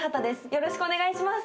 よろしくお願いします！